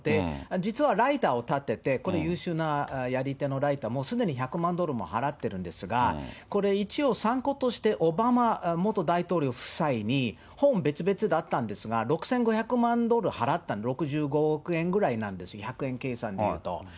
実はライターを立てて、これ、優秀なやり手のライター、もうすでに１００万ドルも払ってるんですが、これ、一応、参考としてオバマ元大統領夫妻に、本、別々だったんですが、６５００万ドル払ったんです、６５億円ぐらいなんですよ、１００円計算でいうと。